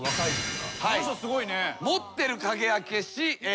この人すごいね。